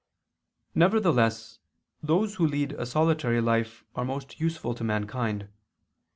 Nevertheless, those who lead a solitary life are most useful to mankind.